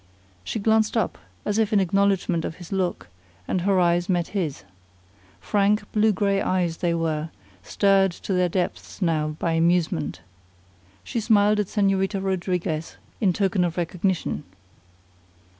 She glanced up, as if in acknowledgment of his look, and her eyes met his. Frank, blue gray eyes they were, stirred to their depths now by amusement. She smiled at Señorita Rodriguez, in token of recognition.